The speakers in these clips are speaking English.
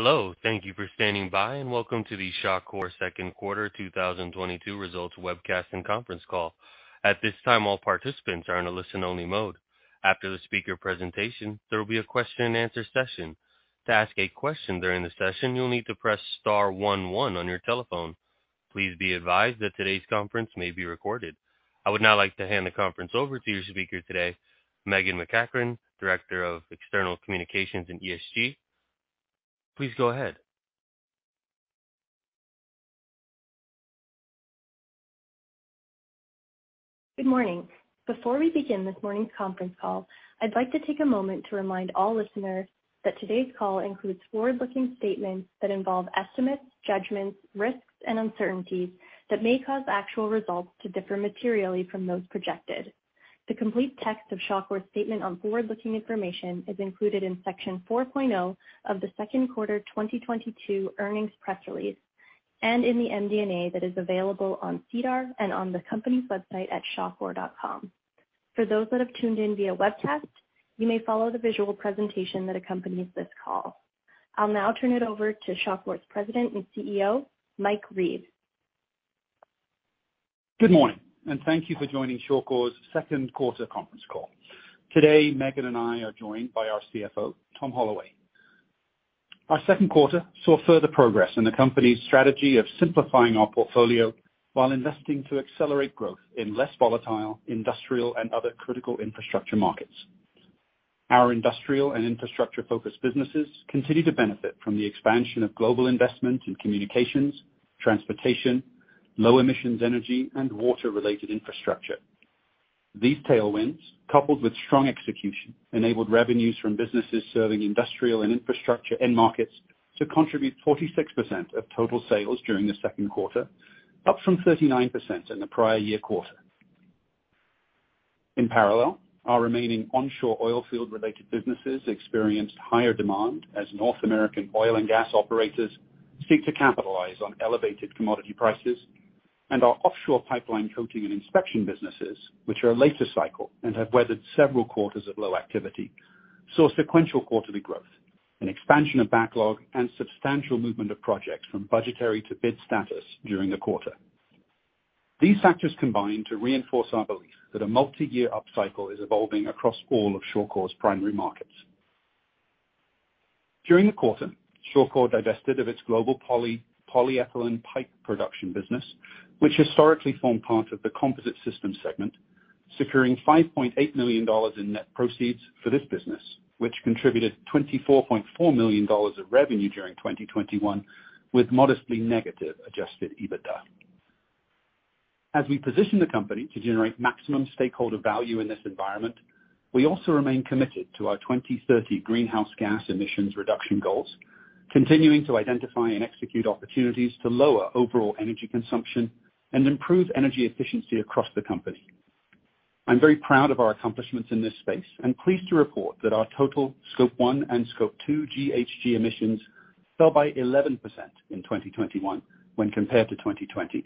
Hello, Thank you for standing by, and welcome to the Shawcor second quarter 2022 Results Webcast and Conference Call. At this time, all participants are in a listen only mode. After the speaker presentation, there will be a question and answer session. To ask a question during the session, you'll need to press star one one on your telephone. Please be advised that today's conference may be recorded. I would now like to hand the conference over to your speaker today, Meghan MacEachern, Director of External Communications in ESG. Please go ahead. Good morning. Before we begin this morning's conference call, I'd like to take a moment to remind all listeners that today's call includes forward-looking statements that involve estimates, judgments, risks, and uncertainties that may cause actual results to differ materially from those projected. The complete text of Shawcor's statement on forward-looking information is included in section 4.0 of the second quarter 2022 earnings press release, and in the MD&A that is available on SEDAR and on the company's website at shawcor.com. For those that have tuned in via webcast, you may follow the visual presentation that accompanies this call. I'll now turn it over to Shawcor's president and CEO, Mike Reeves. Good morning, and thank you for joining Shawcor second quarter conference call. Today, Meghan and I are joined by our CFO, Tom Holloway. Our second quarter saw further progress in the company's strategy of simplifying our portfolio while investing to accelerate growth in less volatile industrial and other critical infrastructure markets. Our industrial and infrastructure-focused businesses continue to benefit from the expansion of global investment in communications, transportation, low emissions energy, and water-related infrastructure. These tailwinds, coupled with strong execution, enabled revenues from businesses serving industrial and infrastructure end markets to contribute 46% of total sales during the second quarter, up from 39% in the prior year quarter. In parallel, our remaining onshore oil field-related businesses experienced higher demand as North American oil and gas operators seek to capitalize on elevated commodity prices, and our offshore pipeline coating and inspection businesses, which are later cycle and have weathered several quarters of low activity, saw sequential quarterly growth, an expansion of backlog, and substantial movement of projects from budgetary to bid status during the quarter. These factors combine to reinforce our belief that a multi-year upcycle is evolving across all of Shawcor primary markets. During the quarter, Shawcor divested of its Global Poly polyethylene pipe production business, which historically formed part of the Composite Systems segment, securing CAD 5.8 million in net proceeds for this business, which contributed CAD 24.4 million of revenue during 2021, with modestly negative adjusted EBITDA. As we position the company to generate maximum stakeholder value in this environment, we also remain committed to our 2030 greenhouse gas emissions reduction goals, continuing to identify and execute opportunities to lower overall energy consumption and improve energy efficiency across the company. I'm very proud of our accomplishments in this space and pleased to report that our total Scope 1 and Scope 2 GHG emissions fell by 11% in 2021 when compared to 2020,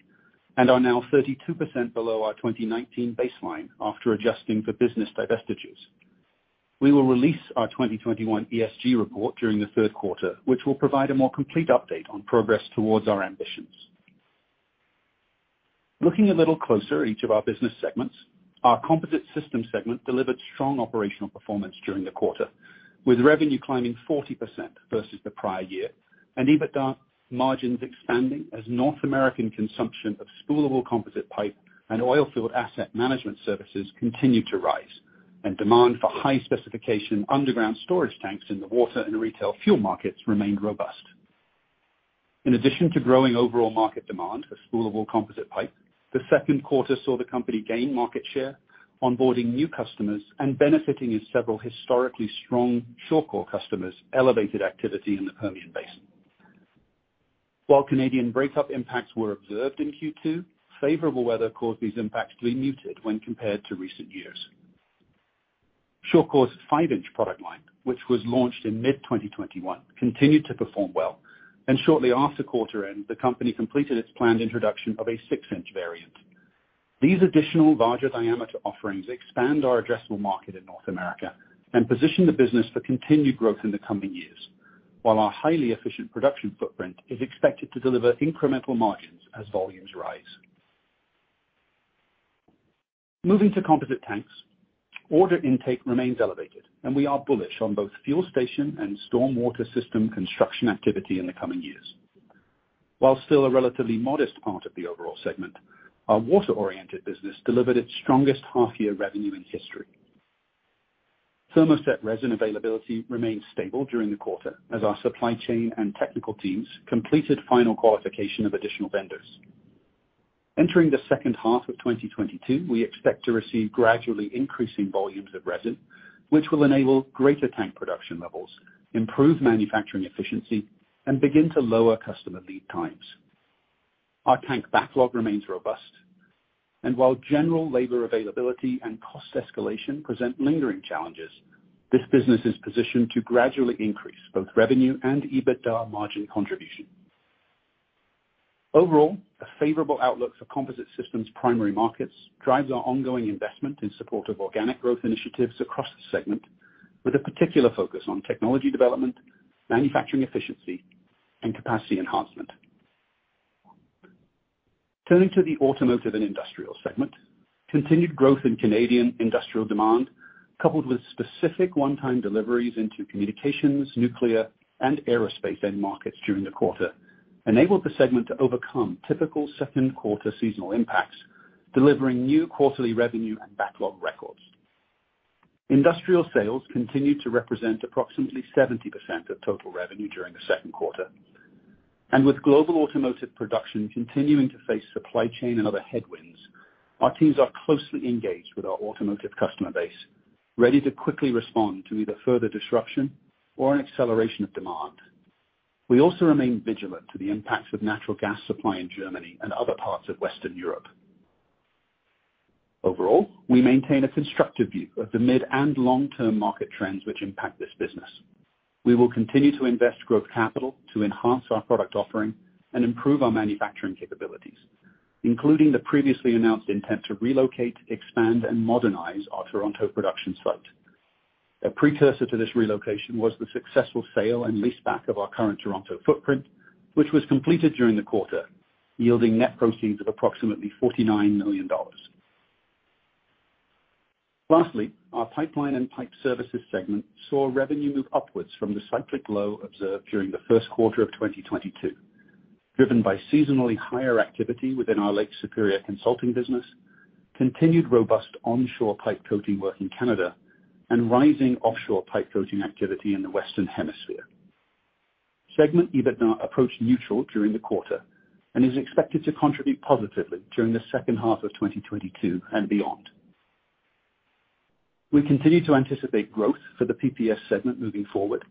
and are now 32% below our 2019 baseline after adjusting for business divestitures. We will release our 2021 ESG report during the third quarter, which will provide a more complete update on progress towards our ambitions. Looking a little closer at each of our business segments. Our Composite Systems segment delivered strong operational performance during the quarter, with revenue climbing 40% versus the prior year, and EBITDA margins expanding as North American consumption of spoolable composite pipe and oilfield asset management services continued to rise, and demand for high specification underground storage tanks in the water and retail fuel markets remained robust. In addition to growing overall market demand for spoolable composite pipe, the second quarter saw the company gain market share, onboarding new customers, and benefiting from several historically strong Shawcor customers' elevated activity in the Permian Basin. While Canadian breakup impacts were observed in Q2, favorable weather caused these impacts to be muted when compared to recent years. Shawcor five-inch product line, which was launched in mid-2021, continued to perform well, and shortly after quarter end, the company completed its planned introduction of a six-inch variant. These additional larger diameter offerings expand our addressable market in North America and position the business for continued growth in the coming years. While our highly efficient production footprint is expected to deliver incremental margins as volumes rise. Moving to composite tanks, order intake remains elevated, and we are bullish on both fuel station and stormwater system construction activity in the coming years. While still a relatively modest part of the overall segment, our water-oriented business delivered its strongest half year revenue in history. Thermoset resin availability remained stable during the quarter as our supply chain and technical teams completed final qualification of additional vendors. Entering the second half of 2022, we expect to receive gradually increasing volumes of resin, which will enable greater tank production levels, improve manufacturing efficiency, and begin to lower customer lead times. Our tank backlog remains robust, and while general labor availability and cost escalation present lingering challenges, this business is positioned to gradually increase both revenue and EBITDA margin contribution. Overall, the favorable outlook for Composite Systems primary markets drives our ongoing investment in support of organic growth initiatives across the segment, with a particular focus on technology development, manufacturing efficiency, and capacity enhancement. Turning to the Automotive and Industrial segment, continued growth in Canadian industrial demand, coupled with specific one-time deliveries into communications, nuclear, and aerospace end markets during the quarter, enabled the segment to overcome typical second quarter seasonal impacts, delivering new quarterly revenue and backlog records. Industrial sales continued to represent approximately 70% of total revenue during the second quarter. With global automotive production continuing to face supply chain and other headwinds, our teams are closely engaged with our automotive customer base, ready to quickly respond to either further disruption or an acceleration of demand. We also remain vigilant to the impacts of natural gas supply in Germany and other parts of Western Europe. Overall, we maintain a constructive view of the mid and long-term market trends which impact this business. We will continue to invest growth capital to enhance our product offering and improve our manufacturing capabilities, including the previously announced intent to relocate, expand, and modernize our Toronto production site. A precursor to this relocation was the successful sale and leaseback of our current Toronto footprint, which was completed during the quarter, yielding net proceeds of approximately 49 million dollars. Lastly, our Pipeline and Pipe Services segment saw revenue move upwards from the cyclic low observed during the first quarter of 2022, driven by seasonally higher activity within our Lake Superior Consulting business, continued robust onshore pipe coating work in Canada, and rising offshore pipe coating activity in the Western Hemisphere. Segment EBITDA approached neutral during the quarter and is expected to contribute positively during the second half of 2022 and beyond. We continue to anticipate growth for the PPS segment moving forward,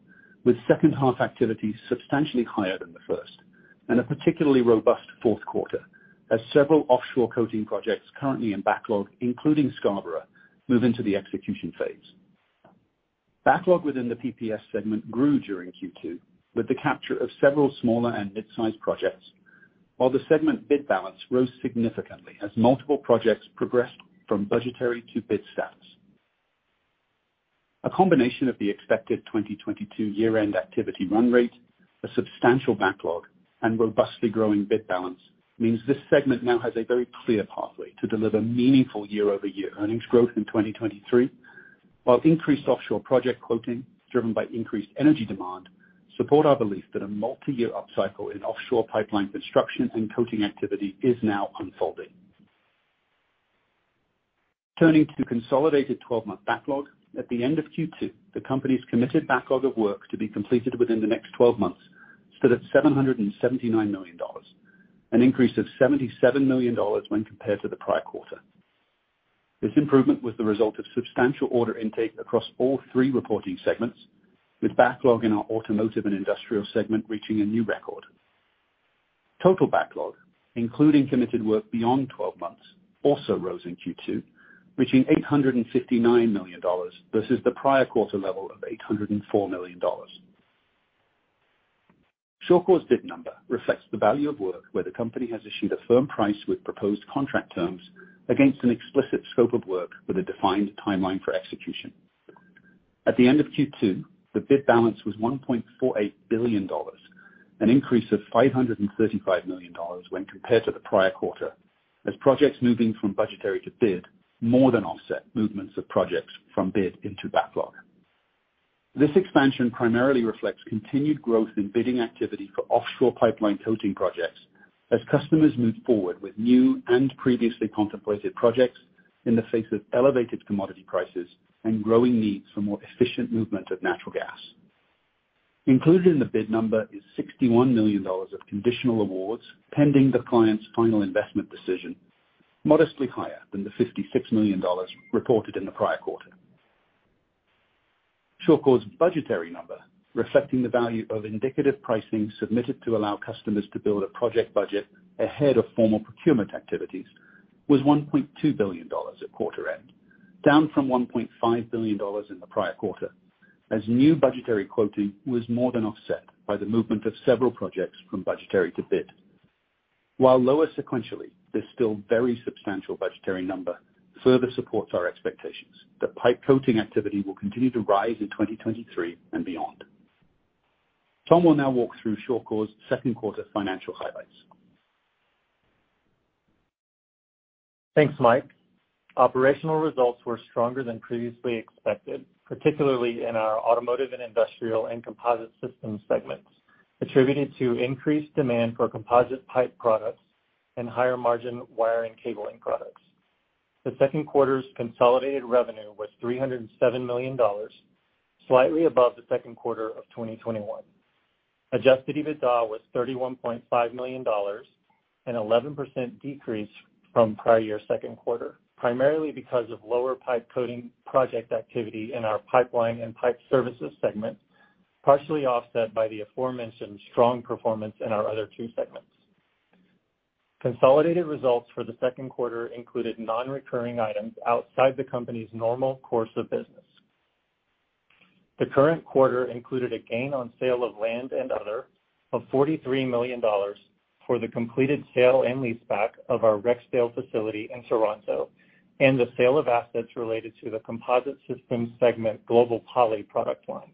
with second half activities substantially higher than the first and a particularly robust fourth quarter as several offshore coating projects currently in backlog, including Scarborough, move into the execution phase. Backlog within the PPS segment grew during Q2 with the capture of several smaller and mid-sized projects, while the segment bid balance rose significantly as multiple projects progressed from budgetary to bid status. A combination of the expected 2022 year-end activity run rate, a substantial backlog, and robustly growing bid balance means this segment now has a very clear pathway to deliver meaningful year-over-year earnings growth in 2023, while increased offshore project quoting driven by increased energy demand support our belief that a multi-year upcycle in offshore pipeline construction and coating activity is now unfolding. Turning to the consolidated 12-month backlog, at the end of Q2, the company's committed backlog of work to be completed within the next 12 months stood at $779 million, an increase of $77 million when compared to the prior quarter. This improvement was the result of substantial order intake across all three reporting segments, with backlog in our Automotive and Industrial segment reaching a new record. Total backlog, including committed work beyond twelve months, also rose in Q2, reaching 859 million dollars versus the prior quarter level of 804 million dollars. Shawcor bid number reflects the value of work where the company has issued a firm price with proposed contract terms against an explicit scope of work with a defined timeline for execution. At the end of Q2, the bid balance was 1.48 billion dollars, an increase of 535 million dollars when compared to the prior quarter, as projects moving from budgetary to bid more than offset movements of projects from bid into backlog. This expansion primarily reflects continued growth in bidding activity for offshore pipeline coating projects as customers move forward with new and previously contemplated projects in the face of elevated commodity prices and growing needs for more efficient movement of natural gas. Included in the bid number is 61 million dollars of conditional awards pending the client's final investment decision, modestly higher than the 56 million dollars reported in the prior quarter. Shawcor's budgetary number, reflecting the value of indicative pricing submitted to allow customers to build a project budget ahead of formal procurement activities, was 1.2 billion dollars at quarter end, down from 1.5 billion dollars in the prior quarter, as new budgetary quoting was more than offset by the movement of several projects from budgetary to bid. While lower sequentially, this still very substantial budgetary number further supports our expectations that pipe coating activity will continue to rise in 2023 and beyond. Tom will now walk through Shawcor second quarter financial highlights. Thanks, Mike. Operational results were stronger than previously expected, particularly in our Automotive and Industrial and Composite Systems segments, attributed to increased demand for composite pipe products and higher margin wire and cabling products. The second quarter's consolidated revenue was 307 million dollars, slightly above the second quarter of 2021. Adjusted EBITDA was 31.5 million dollars, an 11% decrease from prior year second quarter, primarily because of lower pipe coating project activity in our Pipeline and Pipe Services segment, partially offset by the aforementioned strong performance in our other two segments. Consolidated results for the second quarter included non-recurring items outside the company's normal course of business. The current quarter included a gain on sale of land and other of 43 million dollars for the completed sale and leaseback of our Rexdale facility in Toronto and the sale of assets related to the Composite Systems segment Global Poly product line.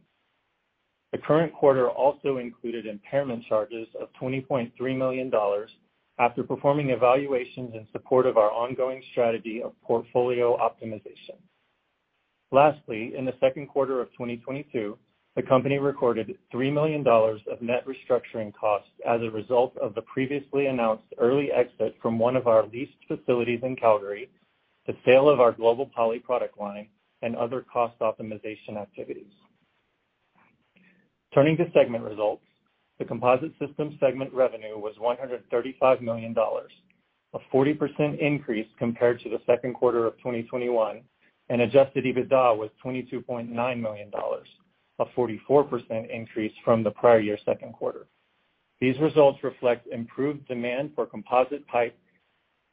The current quarter also included impairment charges of 20.3 million dollars after performing evaluations in support of our ongoing strategy of portfolio optimization. Lastly, in the second quarter of 2022, the company recorded 3 million dollars of net restructuring costs as a result of the previously announced early exit from one of our leased facilities in Calgary, the sale of our Global Poly product line, and other cost optimization activities. Turning to segment results. The Composite Systems segment revenue was $135 million, a 40% increase compared to the second quarter of 2021, and adjusted EBITDA was $22.9 million, a 44% increase from the prior year second quarter. These results reflect improved demand for composite pipe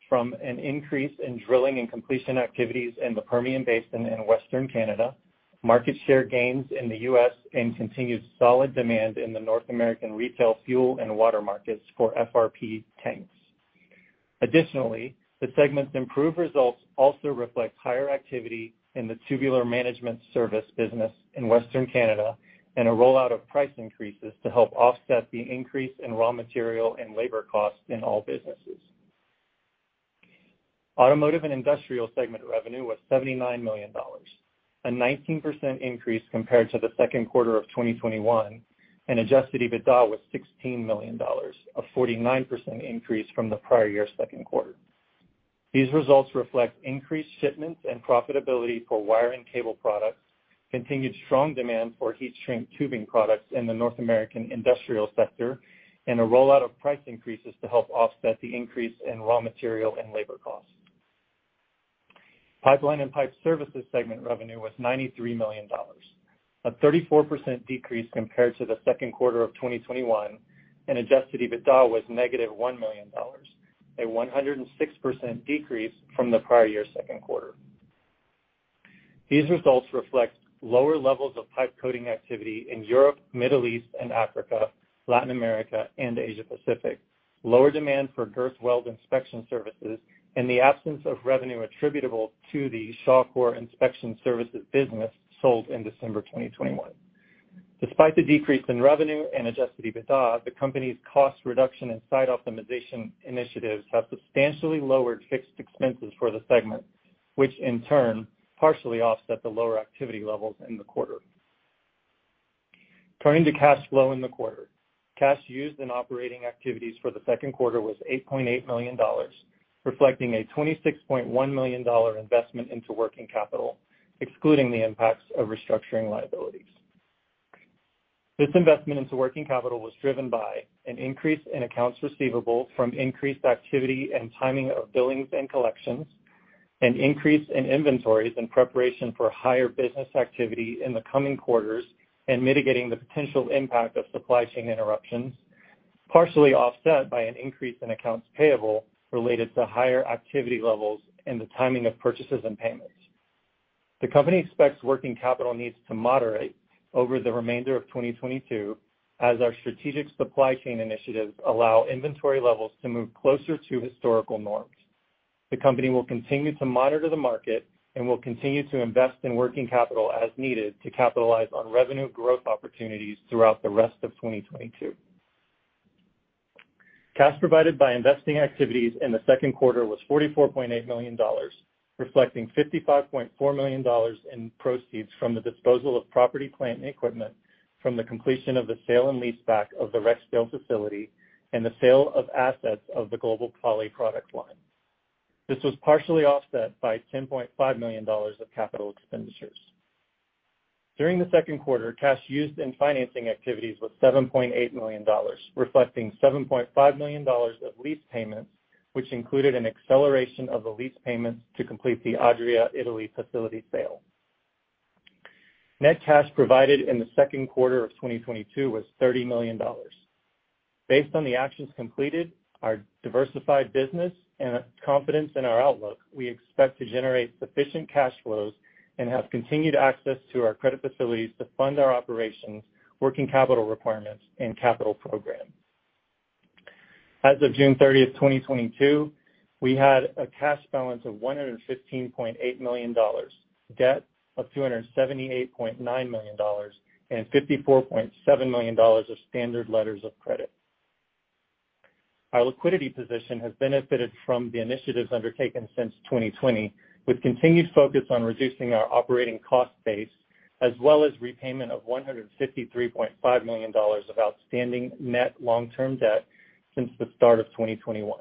from an increase in drilling and completion activities in the Permian Basin in Western Canada, market share gains in the U.S., and continued solid demand in the North American retail fuel and water markets for FRP tanks. Additionally, the segment's improved results also reflect higher activity in the Tubular Management Service Business in Western Canada and a rollout of price increases to help offset the increase in raw material and labor costs in all businesses. Automotive and Industrial segment revenue was 79 million dollars, a 19% increase compared to the second quarter of 2021, and adjusted EBITDA was 16 million dollars, a 49% increase from the prior year second quarter. These results reflect increased shipments and profitability for wire and cable products, continued strong demand for heat shrink tubing products in the North American industrial sector, and a rollout of price increases to help offset the increase in raw material and labor costs. Pipeline and Pipe Services segment revenue was 93 million dollars, a 34% decrease compared to the second quarter of 2021, and adjusted EBITDA was negative 1 million dollars, a 106% decrease from the prior year second quarter. These results reflect lower levels of pipe coating activity in Europe, Middle East and Africa, Latin America, and Asia Pacific, lower demand for girth weld inspection services, and the absence of revenue attributable to the Shawcor Inspection Services business sold in December 2021. Despite the decrease in revenue and adjusted EBITDA, the company's cost reduction and site optimization initiatives have substantially lowered fixed expenses for the segment, which in turn partially offset the lower activity levels in the quarter. Turning to cash flow in the quarter. Cash used in operating activities for the second quarter was 8.8 million dollars, reflecting a 26.1 million dollar investment into working capital, excluding the impacts of restructuring liabilities. This investment into working capital was driven by an increase in accounts receivable from increased activity and timing of billings and collections, an increase in inventories in preparation for higher business activity in the coming quarters and mitigating the potential impact of supply chain interruptions, partially offset by an increase in accounts payable related to higher activity levels and the timing of purchases and payments. The company expects working capital needs to moderate over the remainder of 2022 as our strategic supply chain initiatives allow inventory levels to move closer to historical norms. The company will continue to monitor the market and will continue to invest in working capital as needed to capitalize on revenue growth opportunities throughout the rest of 2022. Cash provided by investing activities in the second quarter was 44.8 million dollars, reflecting 55.4 million dollars in proceeds from the disposal of property, plant, and equipment from the completion of the sale and leaseback of the Rexdale facility and the sale of assets of the Global Poly product line. This was partially offset by 10.5 million dollars of capital expenditures. During the second quarter, cash used in financing activities was 7.8 million dollars, reflecting 7.5 million dollars of lease payments, which included an acceleration of the lease payments to complete the Adria, Italy, facility sale. Net cash provided in the second quarter of 2022 was 30 million dollars. Based on the actions completed, our diversified business, and confidence in our outlook, we expect to generate sufficient cash flows and have continued access to our credit facilities to fund our operations, working capital requirements, and capital programs. As of June 30, 2022, we had a cash balance of 115.8 million dollars, debt of 278.9 million dollars, and 54.7 million dollars of standard letters of credit. Our liquidity position has benefited from the initiatives undertaken since 2020, with continued focus on reducing our operating cost base, as well as repayment of 153.5 million dollars of outstanding net long-term debt since the start of 2021.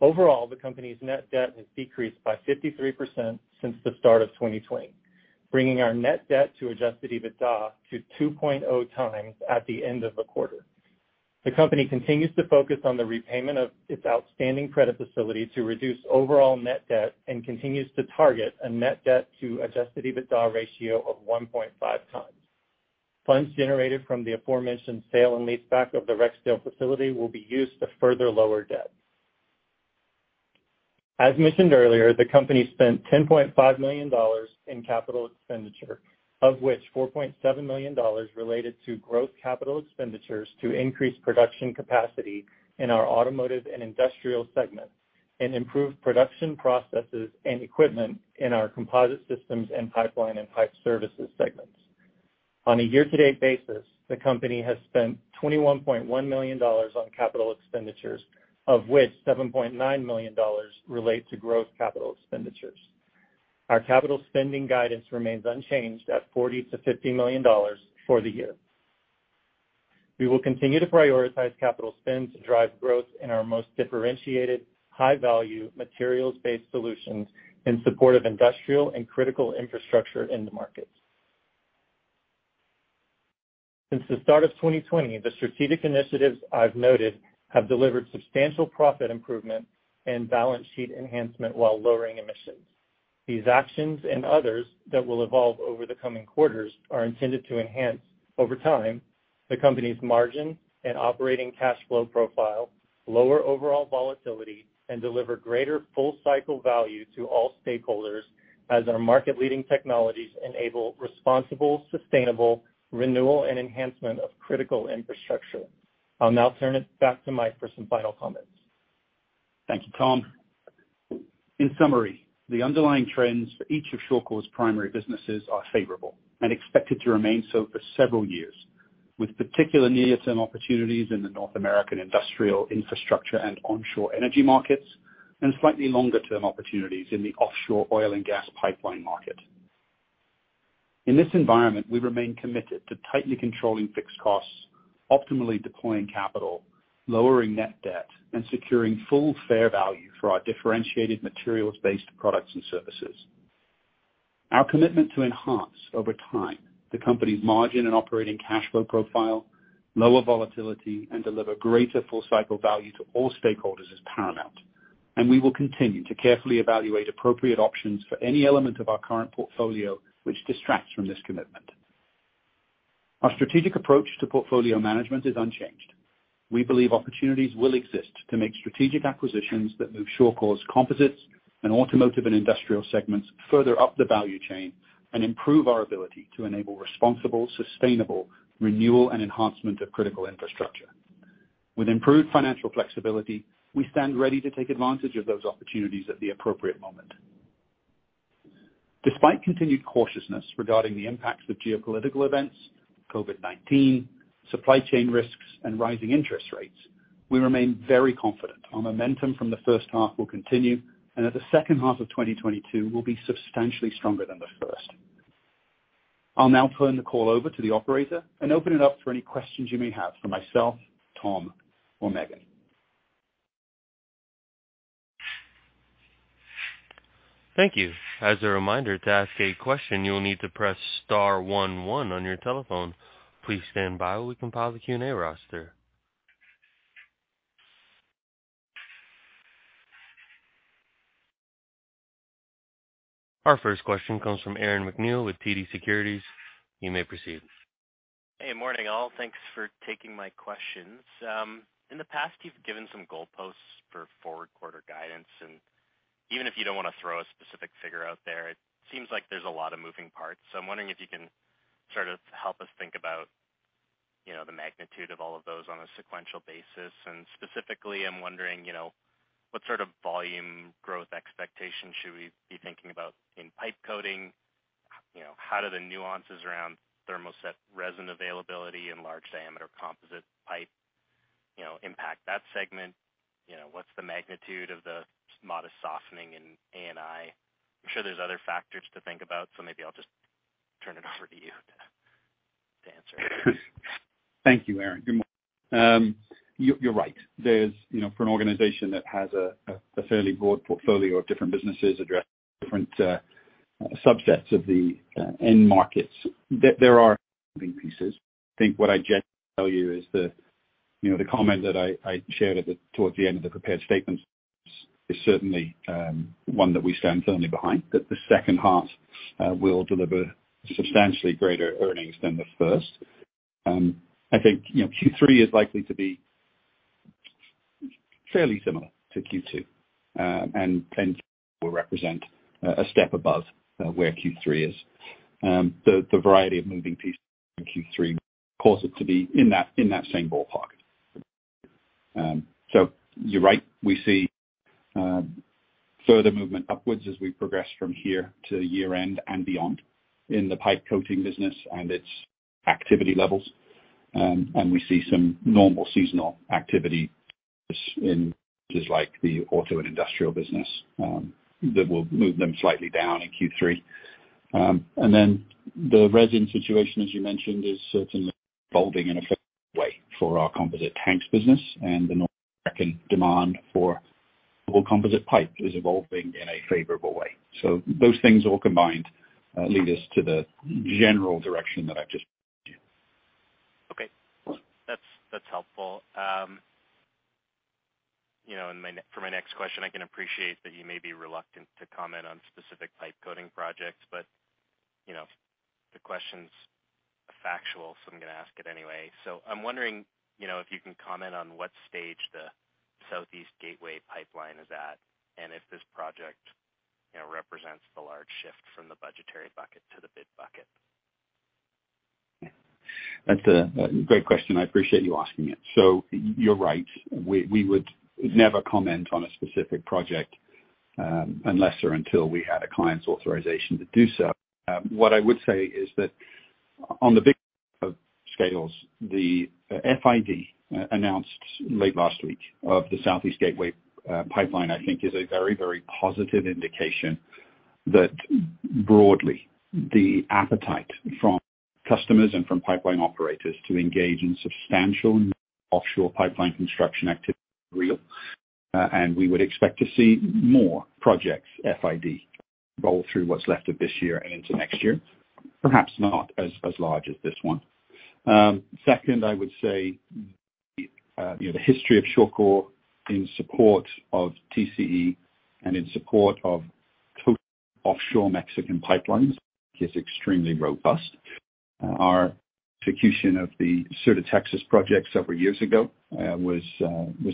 Overall, the company's net debt has decreased by 53% since the start of 2020, bringing our net debt to adjusted EBITDA to 2.0x at the end of the quarter. The company continues to focus on the repayment of its outstanding credit facility to reduce overall net debt and continues to target a net debt to adjusted EBITDA ratio of 1.5x. Funds generated from the aforementioned sale and leaseback of the Rexdale facility will be used to further lower debt. As mentioned earlier, the company spent 10.5 million dollars in capital expenditure, of which 4.7 million dollars related to growth capital expenditures to increase production capacity in our Automotive and Industrial segments, and improve production processes and equipment in our Composite Systems and Pipeline and Pipe Services segments. On a year-to-date basis, the company has spent 21.1 million dollars on capital expenditures, of which 7.9 million dollars relate to growth capital expenditures. Our capital spending guidance remains unchanged at 40 million-50 million dollars for the year. We will continue to prioritize capital spend to drive growth in our most differentiated high value materials-based solutions in support of industrial and critical infrastructure end markets. Since the start of 2020, the strategic initiatives I've noted have delivered substantial profit improvement and balance sheet enhancement while lowering emissions. These actions and others that will evolve over the coming quarters are intended to enhance, over time, the company's margin and operating cash flow profile, lower overall volatility, and deliver greater full cycle value to all stakeholders as our market leading technologies enable responsible, sustainable renewal and enhancement of critical infrastructure. I'll now turn it back to Mike for some final comments. Thank you, Tom. In summary, the underlying trends for each of Shawcor primary businesses are favorable and expected to remain so for several years, with particular near-term opportunities in the North American industrial infrastructure and onshore energy markets, and slightly longer term opportunities in the offshore oil and gas pipeline market. In this environment, we remain committed to tightly controlling fixed costs, optimally deploying capital, lowering net debt, and securing full fair value for our differentiated materials-based products and services. Our commitment to enhance over time the company's margin and operating cash flow profile, lower volatility, and deliver greater full cycle value to all stakeholders is paramount, and we will continue to carefully evaluate appropriate options for any element of our current portfolio which distracts from this commitment. Our strategic approach to portfolio management is unchanged. We believe opportunities will exist to make strategic acquisitions that move Shawcor's composites and automotive and industrial segments further up the value chain and improve our ability to enable responsible, sustainable renewal and enhancement of critical infrastructure. With improved financial flexibility, we stand ready to take advantage of those opportunities at the appropriate moment. Despite continued cautiousness regarding the impacts of geopolitical events, COVID-19, supply chain risks, and rising interest rates, we remain very confident our momentum from the first half will continue and that the second half of 2022 will be substantially stronger than the first. I'll now turn the call over to the operator and open it up for any questions you may have for myself, Tom, or Meghan. Thank you. As a reminder, to ask a question, you will need to press star one one on your telephone. Please stand by while we compile the Q&A roster. Our first question comes from Aaron MacNeil with TD Securities. You may proceed. Hey, morning all. Thanks for taking my questions. In the past, you've given some goalposts for forward quarter guidance, and even if you don't wanna throw a specific figure out there, it seems like there's a lot of moving parts, so I'm wondering if you can sort of help us think about, you know, the magnitude of all of those on a sequential basis. Specifically, I'm wondering, you know, what sort of volume growth expectations should we be thinking about in pipe coating? You know, how do the nuances around thermoset resin availability and large diameter composite pipe, you know, impact that segment? You know, what's the magnitude of the modest softening in A&I? I'm sure there's other factors to think about, so maybe I'll just turn it over to you to answer. Thank you, Aaron. Good morning. You, you're right. There's, you know, for an organization that has a fairly broad portfolio of different businesses addressing different subsets of the end markets, there are moving pieces. I think what I generally tell you is that, you know, the comment that I shared towards the end of the prepared statements is certainly one that we stand firmly behind, that the second half will deliver substantially greater earnings than the first. I think, you know, Q3 is likely to be fairly similar to Q2, and then will represent a step above where Q3 is. The variety of moving pieces in Q3 cause it to be in that same ballpark. You're right, we see further movement upwards as we progress from here to year end and beyond in the pipe coating business and its activity levels. We see some normal seasonal activity in places like the Automotive and Industrial business, that will move them slightly down in Q3. Then the resin situation, as you mentioned, is certainly evolving in a favorable way for our composite tanks business and the North American demand for composite pipe is evolving in a favorable way. Those things all combined, lead us to the general direction that I've just you. Okay. That's helpful. You know, in my, for my next question, I can appreciate that you may be reluctant to comment on specific pipe coating projects, but, you know, the question's a factual, so I'm gonna ask it anyway. I'm wondering, you know, if you can comment on what stage the Southeast Gateway pipeline is at, and if this project, you know, represents the large shift from the budgetary bucket to the bid bucket. That's a great question. I appreciate you asking it. You're right. We would never comment on a specific project unless or until we had a client's authorization to do so. What I would say is that on the big scales, the FID announced late last week of the Southeast Gateway pipeline I think is a very, very positive indication that broadly the appetite from customers and from pipeline operators to engage in substantial offshore pipeline construction activity is real and we would expect to see more projects FID roll through what's left of this year and into next year, perhaps not as large as this one. Second, I would say you know the history of Shawcor in support of TC Energy and in support of offshore Mexican pipelines is extremely robust. Our execution of the Sur de Texas project several years ago was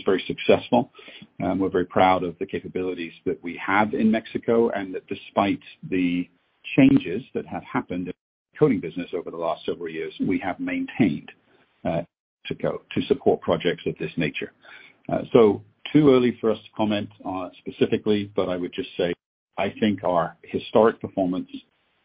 very successful, and we're very proud of the capabilities that we have in Mexico, and that despite the changes that have happened in the coating business over the last several years, we have maintained to support projects of this nature. It's too early for us to comment on it specifically, but I would just say, I think our historic performance,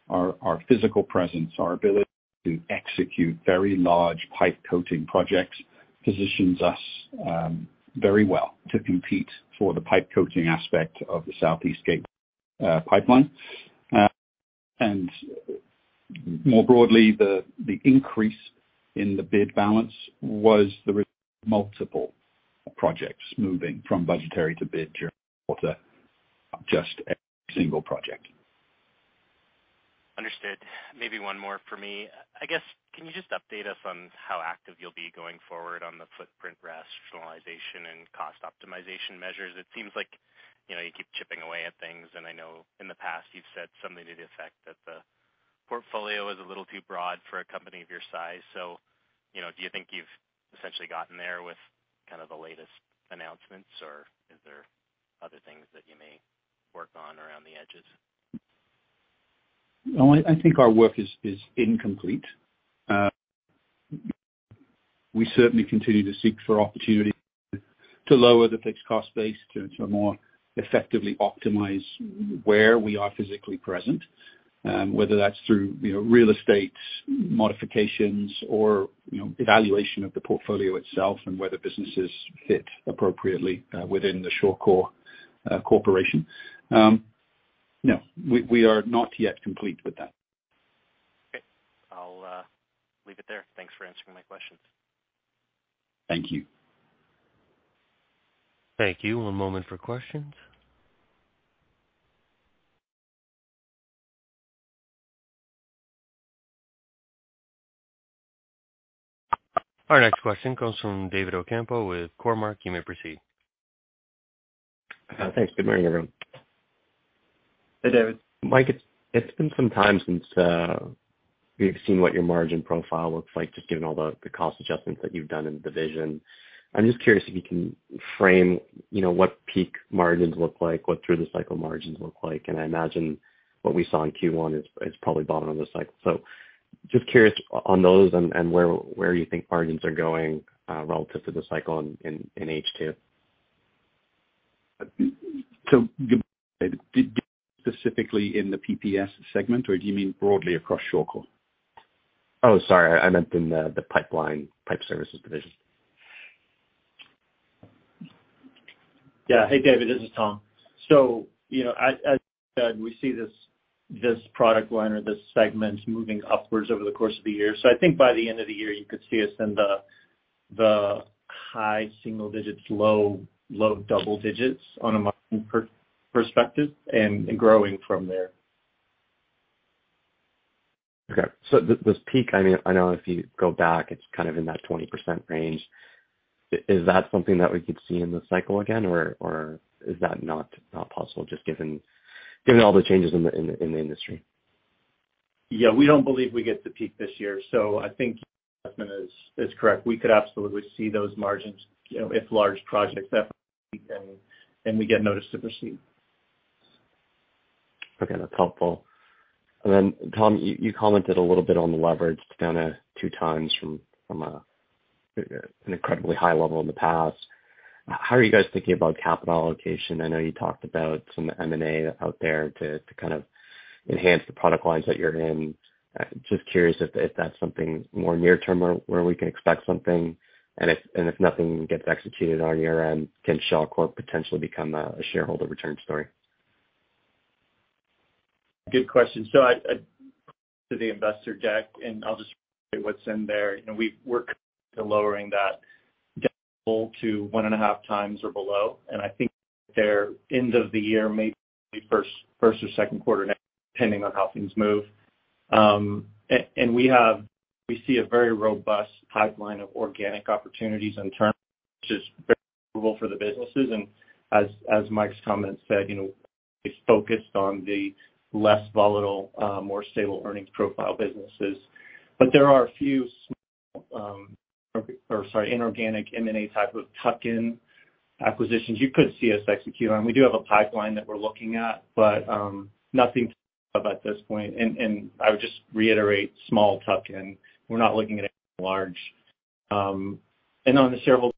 our physical presence, our ability to execute very large pipe coating projects positions us very well to compete for the pipe coating aspect of the Southeast Gateway pipeline. More broadly, the increase in the bid balance was the multiple projects moving from budgetary to bid during the quarter, not just a single project. Understood. Maybe one more from me. I guess, can you just update us on how active you'll be going forward on the footprint rationalization and cost optimization measures? It seems like, you know, you keep chipping away at things, and I know in the past you've said something to the effect that the portfolio is a little too broad for a company of your size. So, you know, do you think you've essentially gotten there with kind of the latest announcements, or is there other things that you may work on around the edges? No, I think our work is incomplete. We certainly continue to seek for opportunities to lower the fixed cost base to more effectively optimize where we are physically present, whether that's through, you know, real estate modifications or, you know, evaluation of the portfolio itself and where the businesses fit appropriately, within the Shawcor corporation. No, we are not yet complete with that. Okay. I'll leave it there. Thanks for answering my questions. Thank you. Thank you. One moment for questions. Our next question comes from David Ocampo with Cormark. You may proceed. Thanks. Good morning, everyone. Hey, David. Mike, it's been some time since we've seen what your margin profile looks like, just given all the cost adjustments that you've done in the division. I'm just curious if you can frame, you know, what peak margins look like, what through the cycle margins look like. I imagine what we saw in Q1 is probably bottom of the cycle. Just curious on those and where you think margins are going relative to the cycle in H2. Do you mean specifically in the PPS segment, or do you mean broadly across Shawcor? Oh, sorry. I meant in the Pipeline and Pipe Services division. Yeah. Hey, David, this is Tom. You know, as we see this product line or this segment moving upwards over the course of the year. I think by the end of the year, you could see us in the high single digits, low double digits on a margin perspective and growing from there. Okay. This peak, I mean, I know if you go back, it's kind of in that 20% range. Is that something that we could see in the cycle again, or is that not possible just given all the changes in the industry? Yeah. We don't believe we get the peak this year, so I think is correct. We could absolutely see those margins, you know, if large projects and we get notice to proceed. Okay, that's helpful. Tom, you commented a little bit on the leverage down to 2x from an incredibly high level in the past. How are you guys thinking about capital allocation? I know you talked about some M&A out there to kind of enhance the product lines that you're in. Just curious if that's something more near term where we can expect something, and if nothing gets executed on your end, can Shawcor potentially become a shareholder return story? Good question. I'll refer to the investor deck, and I'll just read what's in there. You know, we're committed to lowering that to 1.5 times or below, and I think by the end of the year, maybe first or second quarter next, depending on how things move. We see a very robust pipeline of organic opportunities in terms which is very appealing for the businesses and as Mike's comments said, you know, it's focused on the less volatile, more stable earnings profile businesses. But there are a few small inorganic M&A type of tuck-in acquisitions you could see us execute on. We do have a pipeline that we're looking at, but nothing at this point. I would just reiterate small tuck-in. We're not looking at large, and on the shareholder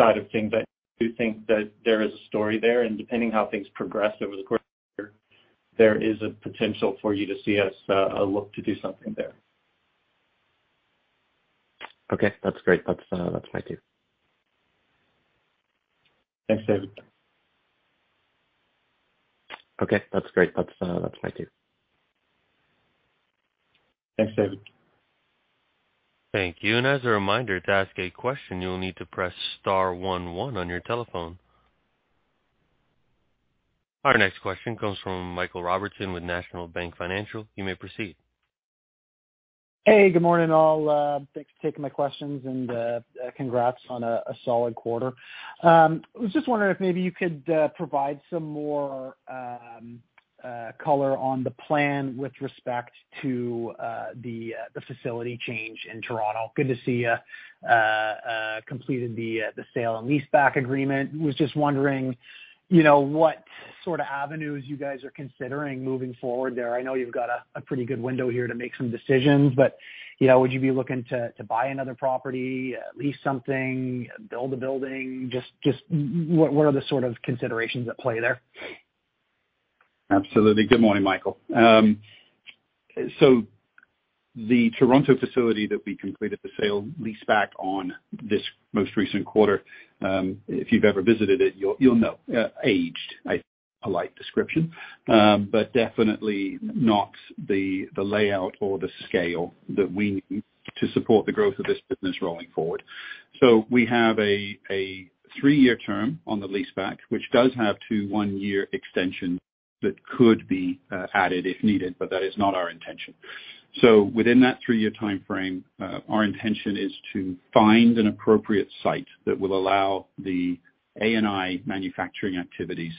side of things, I do think that there is a story there and depending how things progress over the course of the year, there is a potential for you to see us, look to do something there. Okay, that's great. That's my cue. Thanks, David. Okay, that's great. That's my cue. Thanks, David. Thank you. As a reminder, to ask a question, you'll need to press star one one on your telephone. Our next question comes from Michael Robertson with National Bank Financial. You may proceed. Hey, good morning, all. Thanks for taking my questions and congrats on a solid quarter. Was just wondering if maybe you could provide some more color on the plan with respect to the facility change in Toronto. Good to see you completed the sale and leaseback agreement. Was just wondering, you know, what sort of avenues you guys are considering moving forward there. I know you've got a pretty good window here to make some decisions, but, you know, would you be looking to buy another property, lease something, build a building? Just what are the sort of considerations at play there? Absolutely. Good morning, Michael. The Toronto facility that we completed the sale-leaseback on this most recent quarter, if you've ever visited it, you'll know. Aged is a polite description, but definitely not the layout or the scale that we need to support the growth of this business rolling forward. We have a three-year term on the leaseback, which does have two one-year extensions that could be added if needed, but that is not our intention. Within that three-year timeframe, our intention is to find an appropriate site that will allow the A&I manufacturing activities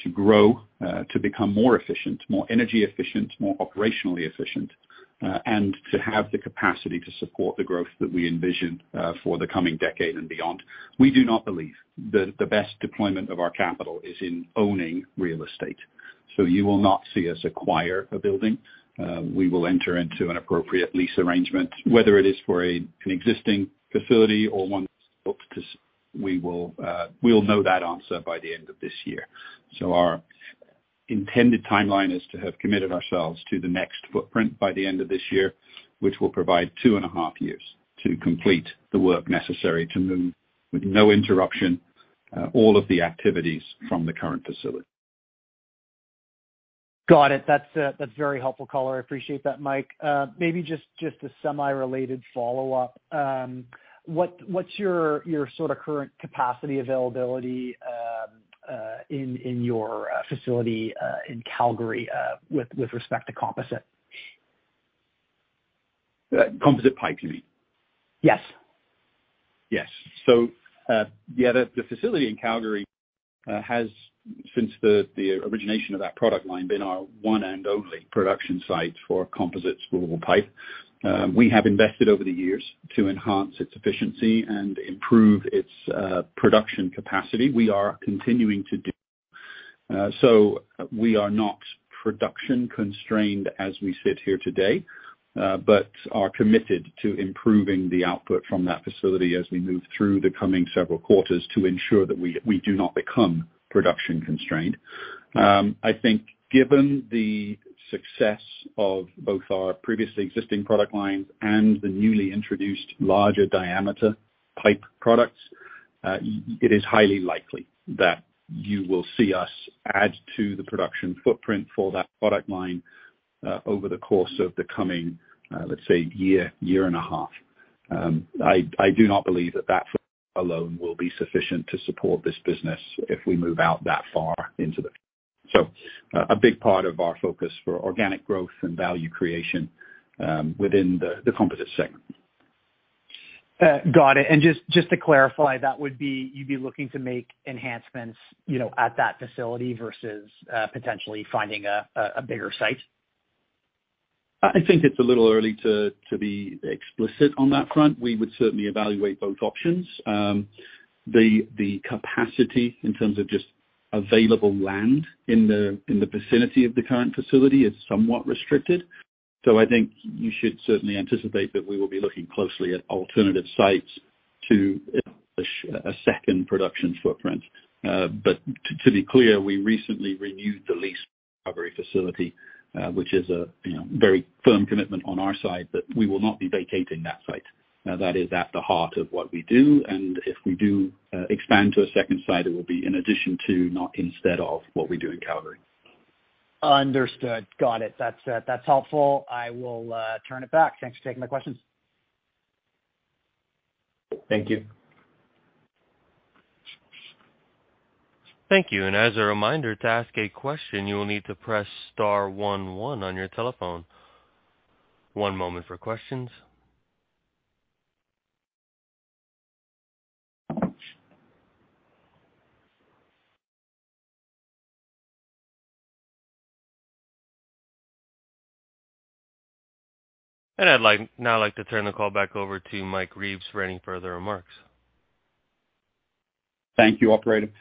to grow, to become more efficient, more energy efficient, more operationally efficient, and to have the capacity to support the growth that we envision for the coming decade and beyond. We do not believe the best deployment of our capital is in owning real estate. You will not see us acquire a building. We will enter into an appropriate lease arrangement, whether it is for an existing facility. We will know that answer by the end of this year. Our intended timeline is to have committed ourselves to the next footprint by the end of this year, which will provide two and a half years to complete the work necessary to move with no interruption, all of the activities from the current facility. Got it. That's very helpful color. I appreciate that, Mike. Maybe just a semi-related follow-up. What's your sort of current capacity availability in your facility in Calgary with respect to composite? Composite pipe, you mean? Yes. Yes. The facility in Calgary has since the origination of that product line been our one and only production site for composite spoolable pipe. We have invested over the years to enhance its efficiency and improve its production capacity. We are continuing to do so. We are not production constrained as we sit here today, but are committed to improving the output from that facility as we move through the coming several quarters to ensure that we do not become production constrained. I think given the success of both our previously existing product lines and the newly introduced larger diameter pipe products, it is highly likely that you will see us add to the production footprint for that product line over the course of the coming, let's say year and a half. I do not believe that alone will be sufficient to support this business if we move out that far into the future. A big part of our focus for organic growth and value creation within the Composite segment. Got it. Just to clarify, that would be you'd be looking to make enhancements, you know, at that facility versus potentially finding a bigger site? I think it's a little early to be explicit on that front. We would certainly evaluate both options. The capacity in terms of just available land in the vicinity of the current facility is somewhat restricted. I think you should certainly anticipate that we will be looking closely at alternative sites to establish a second production footprint. To be clear, we recently renewed the lease recovery facility, which is a, you know, very firm commitment on our side that we will not be vacating that site. Now, that is at the heart of what we do, and if we do expand to a second site, it will be in addition to, not instead of, what we do in Calgary. Understood. Got it. That's helpful. I will turn it back. Thanks for taking my questions. Thank you. Thank you. As a reminder, to ask a question, you will need to press star one one on your telephone. One moment for questions. I'd like now to turn the call back over to Mike Reeves for any further remarks. Thank you, operator. Thank you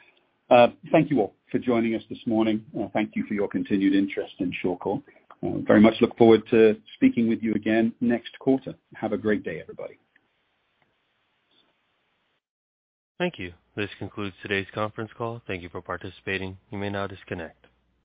all for joining us this morning, and thank you for your continued interest in Shawcor. Very much look forward to speaking with you again next quarter. Have a great day, everybody. Thank you. This concludes today's conference call. Thank you for participating. You may now disconnect.